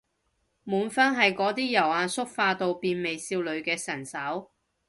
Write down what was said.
滿分係嗰啲由阿叔化到變美少女嘅神手